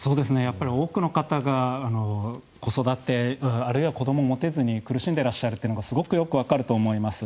多くの方が子育て、あるいは子どもを持てずに苦しんでいらっしゃるというのがすごくよくわかると思います。